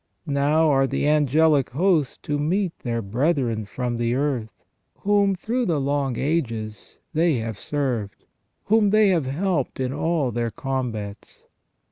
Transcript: Now are the angelic hosts to meet their brethren from the earth, whom, through the long ages, they have served ; whom they have helped in all their combats.